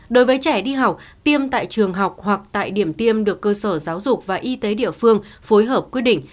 đối với trẻ đi học tiêm tại trường học hoặc tại điểm tiêm được cơ sở giáo dục và y tế địa phương phối hợp quyết định